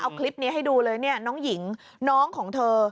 เอาคลิปนี้ให้ดูเลยเนี่ยน้องหญิงน้องของเธอ